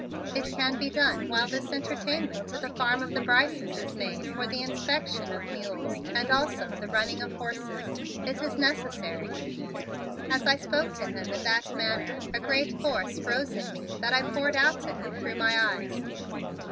It can be done while this entertainment to the farm of the Brices is made for the inspection of mules and also the running of horses. It is necessary!" As I spoke to him in that manner a great force rose in me that I poured out to him through my eyes.